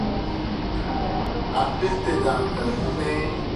Bagarella assisted at the scene during preparations.